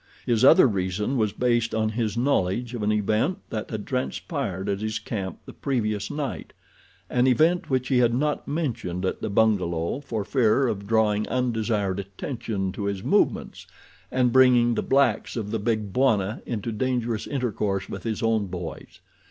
His other reason was based on his knowledge of an event that had transpired at his camp the previous night—an event which he had not mentioned at the bungalow for fear of drawing undesired attention to his movements and bringing the blacks of the big Bwana into dangerous intercourse with his own boys.